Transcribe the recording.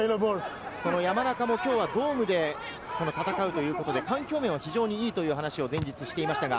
山中も、きょうはドームで戦うということで、環境面は非常にいいという話を前日にしていました。